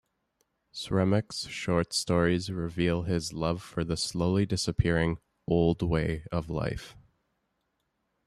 Sremac's short stories reveal his love for the slowly disappearing "old way" of life.